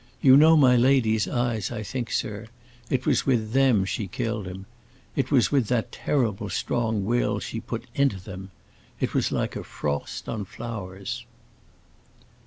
You know my lady's eyes, I think, sir; it was with them she killed him; it was with the terrible strong will she put into them. It was like a frost on flowers."